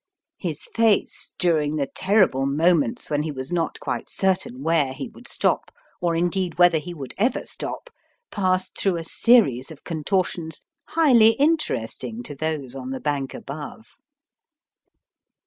His face during the terrible moments when he was not quite certain where he would stop, or indeed whether he would ever stop, passed through a series of contortions highly interesting to those on the bank above.